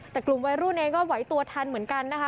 แต่กลุ่มวัยรุ่นเองก็ไหวตัวทันเหมือนกันนะคะ